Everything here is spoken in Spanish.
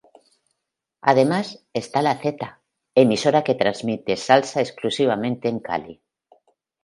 Además, está La Z, emisora que transmite salsa exclusivamente en Cali.